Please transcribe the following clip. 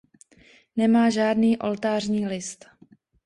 Nemá žádný oltářní list.